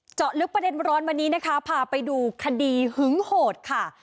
เจาะลึกประเด็นร้อนวันนี้นะคะพาไปดูคดีหึงโหดค่ะ